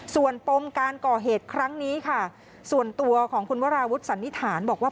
ส่วนปมการก่อเหตุครั้งนี้ค่ะส่วนตัวของคุณวราวุฒิสันนิษฐานบอกว่า